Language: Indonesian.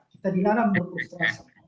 kita dilarang untuk putus asa